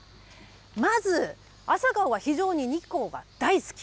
まず、朝顔は非常に日光が大好き。